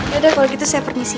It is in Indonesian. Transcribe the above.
yaudah kalau gitu saya permisi